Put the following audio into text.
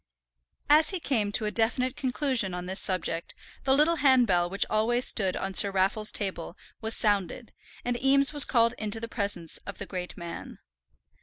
As he came to a definite conclusion on this subject the little handbell which always stood on Sir Raffle's table was sounded, and Eames was called into the presence of the great man.